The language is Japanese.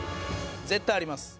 絶対あります。